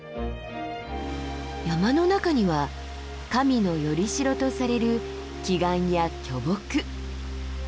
山の中には神のよりしろとされる奇岩や巨木。